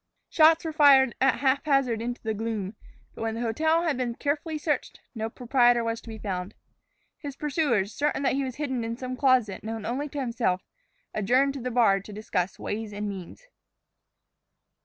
Shots were fired at haphazard into the gloom. But when the hotel had been carefully searched, no proprietor was to be found. His pursuers, certain that he was hidden in some closet known only to himself, adjourned to the bar to discuss ways and means.